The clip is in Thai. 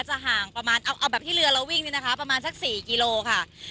ห่างประมาณเอาแบบที่เรือเราวิ่งนี่นะคะประมาณสัก๔กิโลค่ะ